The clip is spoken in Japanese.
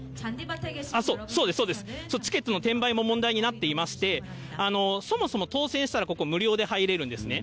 そうです、そうです、チケットの転売も問題になっていまして、そもそも当せんしたらここ、無料で入れるんですね。